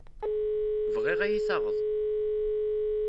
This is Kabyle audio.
Bɣiɣ ad iyi-taɣeḍ.